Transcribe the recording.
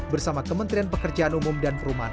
bersama kementerian pekerjaan umum dan perumahan